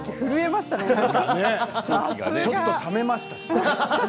ちょっとためましたね。